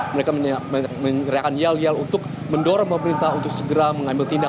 mereka mengerjakan yal yal untuk mendorong pemerintah untuk segera mengambil tindak